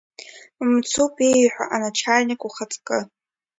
Мцуп ииҳәо, аначальник ухаҵкы.